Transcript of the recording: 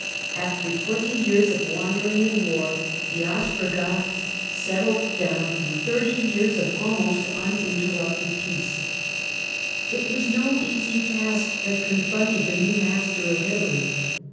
After fenty years of wandering and war, the Ostrogoths jttled down to thirty years of almost uninterrupted jace. It was no easy task that confronted the new master of Italy.